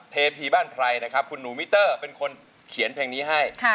เทพีบ้านไพรนะครับคุณหนูมิเตอร์เป็นคนเขียนเพลงนี้ให้